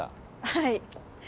はい。